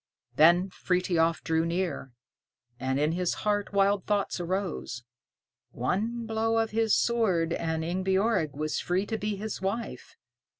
Then Frithiof drew near, and in his heart wild thoughts arose. One blow of his sword, and Ingebjorg was free to be his wife.